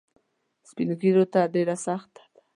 سپین ږیرو ته ډېره سخته ده.